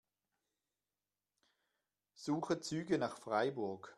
Suche Züge nach Freiburg.